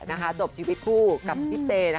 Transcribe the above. นะคะจบชีวิตพู่กับพี่เจ